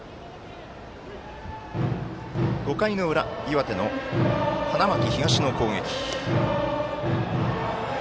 ５回の裏、岩手の花巻東の攻撃。